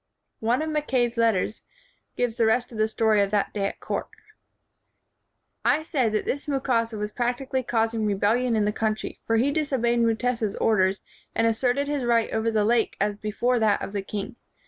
One of Mr. Mackay 's letters gives the rest of the story of that day at court: "I said 119 WHITE MAN OF WORK that this Mukasa was practically causing re bellion in the country, for he disobeyed Mu tesa 's orders, and asserted his right over the Lake as before that of the king.